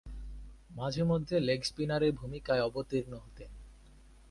মাঝে-মধ্যে লেগ স্পিনারের ভূমিকায় অবতীর্ণ হতেন।